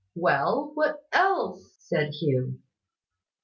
"Well, what else?" said Hugh.